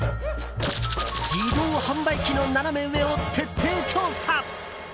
自動販売機のナナメ上を徹底調査！